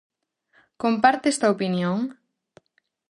Comparte esta opinión?